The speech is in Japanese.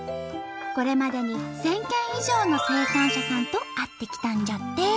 これまでに１，０００軒以上の生産者さんと会ってきたんじゃって！